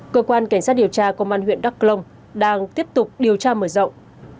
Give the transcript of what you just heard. cơ quan cảnh sát điều tra công an huyện đắk long đang tiếp tục điều tra mở rộng